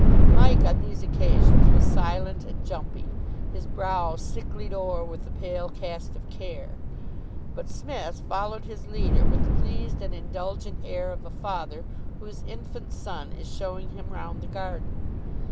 Mike on these occasions was silent and jumpy, his brow "sicklied o'er with the pale cast of care." But Psmith followed his leader with the pleased and indulgent air of a father whose infant son is showing him round the garden.